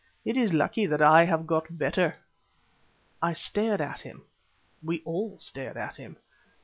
It is lucky that I have got a better." I stared at him; we all stared at him.